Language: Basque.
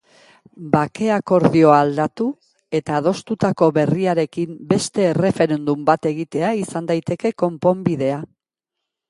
Bake-akordioa aldatu eta adostutako berriarekin beste erreferendum bat egitea izan daiteke konponbidea.